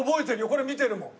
これ見てるもん。